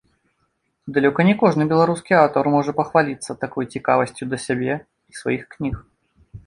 Далёка не кожны беларускі аўтар можна пахваліцца такой цікавасцю да сябе і сваіх кніг.